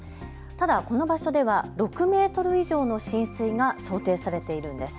ただこの場所では６メートル以上の浸水が想定されているんです。